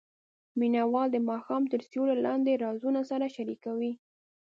مینه وال د ماښام تر سیوري لاندې رازونه سره شریکوي.